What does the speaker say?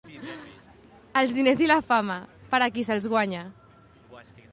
Els diners i la fama, per a qui se'ls guanya.